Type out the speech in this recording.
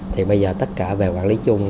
thì bây giờ tất cả về quản lý chung